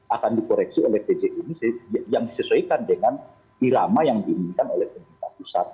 akan dikoreksi oleh pj ini yang disesuaikan dengan irama yang diinginkan oleh pemerintah pusat